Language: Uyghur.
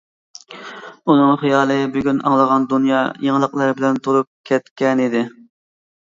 ئۇنىڭ خىيالى بۈگۈن ئاڭلىغان دۇنيا يېڭىلىقلىرى بىلەن تولۇپ كەتكەنىدى.